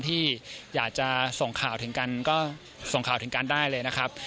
ที่อยากจะส่งข่าวถึงกันก็ส่งข่าวถึงกันได้เลยนะครับ